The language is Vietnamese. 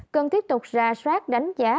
cần tiếp tục ra soát đánh giá